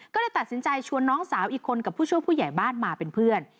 ก็เลยตัดสินใจชวนน้องสาวอีกคนกับผู้ช่วยผู้ใหญ่บ้านมาเป็นเพื่อน